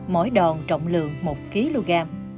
mỗi đòn trọng lượng một kg